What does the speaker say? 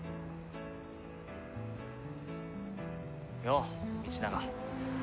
よう道長。